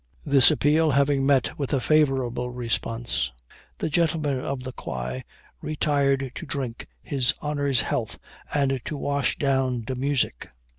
This appeal having met with a favorable response, the gentlemen of the Quay retired to drink "his honor's health, and to wash down de music!"